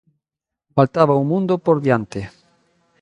Faltaba un mundo por diante.